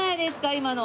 今の。